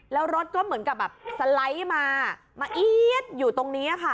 แล้วรถก็เหมือนกับแบบสไลด์มามาเอี๊ยดอยู่ตรงนี้ค่ะ